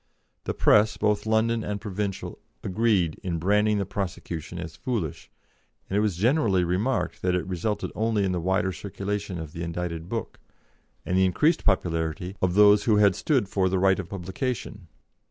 The Press, both London and provincial, agreed in branding the prosecution as foolish, and it was generally remarked that it resulted only in the wider circulation of the indicted book, and the increased popularity of those who had stood for the right of publication.